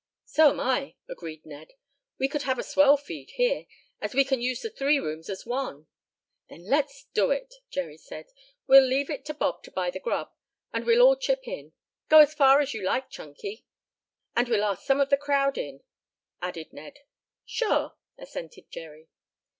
"So am I," agreed Ned. "We could have a swell feed here, as we can use the three rooms as one." "Then let's do it," Jerry said. "We'll leave it to Bob to buy the grub, and we'll all chip in. Go as far as you like, Chunky." "And we'll ask some of the crowd in," added Ned. "Sure," assented Jerry.